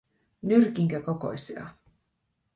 Nyrkinkö kokoisia?